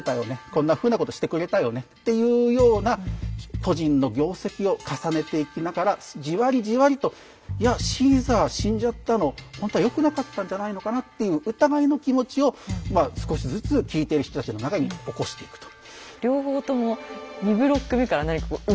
こんなふうなことをしてくれたよねっていうような故人の業績を重ねていきながらじわりじわりといやシーザー死んじゃったのほんとはよくなかったんじゃないのかなっていう疑いの気持ちを少しずつ聞いてる人たちの中に起こしていくと。